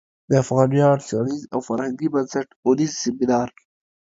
د افغان ویاړ څیړنیز او فرهنګي بنسټ او نیز سمینار